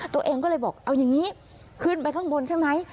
ตัวเองก็เลยบอกเอาอย่างนี้ขึ้นไปข้างบนใช่ไหม